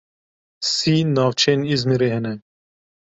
Sî navçeyên Îzmîrê hene.